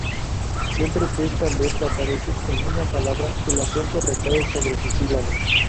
Siempre que esta letra aparece en una palabra, el acento recae sobre su sílaba.